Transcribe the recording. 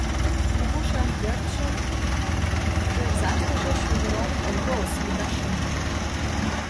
Кугу шем пӧртшын тӧрзаштыже шӱвыроҥ огыл, слюда шындыме.